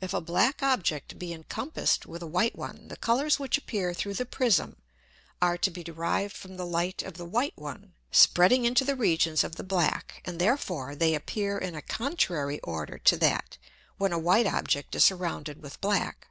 If a black Object be encompassed with a white one, the Colours which appear through the Prism are to be derived from the Light of the white one, spreading into the Regions of the black, and therefore they appear in a contrary order to that, when a white Object is surrounded with black.